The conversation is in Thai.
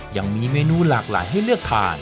ยังมีเมนูหลากหลายให้เลือกทาน